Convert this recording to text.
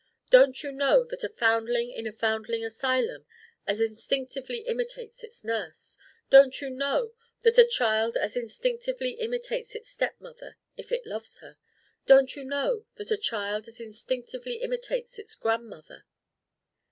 Don't you know that a foundling in a foundling asylum as instinctively imitates its nurse? Don't you know that a child as instinctively imitates its stepmother if it loves her? Don't you know that a child as instinctively imitates its grandmother?"